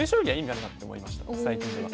最近では。